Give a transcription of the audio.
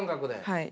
はい。